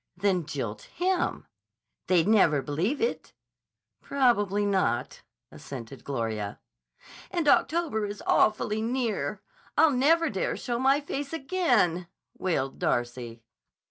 "Then jilt him." "They'd never believe it." "Probably not," assented Gloria. "And October is awfully near! I'll never dare show my face again," wailed Darcy.